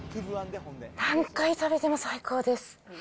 何回食べても最高です。